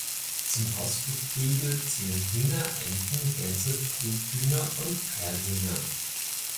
Zum Hausgeflügel zählen Hühner, Enten, Gänse, Truthühner und Perlhühner.